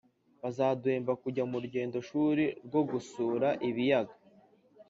bazaduhemba kujya mu rugendoshuri rwo gusura ibiyaga